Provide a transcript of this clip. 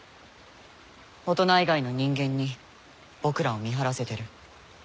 大人以外の人間に僕らを見張らせてる。